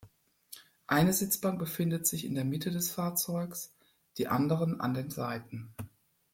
Eine Sitzbank befindet sich in der Mitte des Fahrzeugs, die anderen an den Seiten.